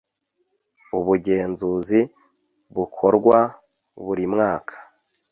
ubugenzuzi bukorwa burimwaka.